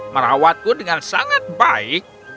merawatku dengan sangat baik